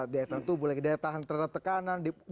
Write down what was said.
daya tahan tertekanan degradasi kualitas